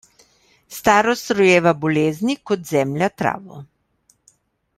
Starost rojeva bolezni kot zemlja travo.